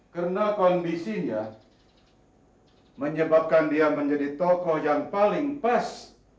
karena kondisinya menyebabkan dia menjadi tokoh yang paling pas